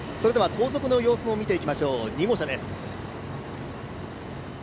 後続の様子も見ていきましょう、２号車です。